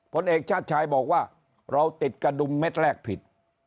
ผลเอกชาติชายบอกว่าเราติดกระดุมเม็ดแรกผิด